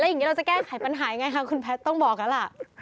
แล้วยังงี้เราจะแก้ไขปัญหายังไงคะคุณแพทย์ต้องบอกอะล่ะ